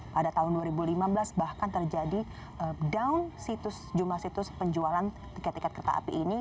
pada tahun dua ribu lima belas bahkan terjadi down situs jumlah situs penjualan tiket tiket kereta api ini